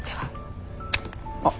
あっ。